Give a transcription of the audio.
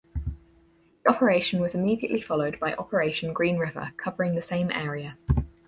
The operation was immediately followed by Operation Green River covering the same area.